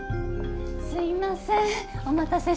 すいませんお待たせして。